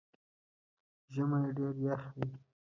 ژمئ ډېر يخ وي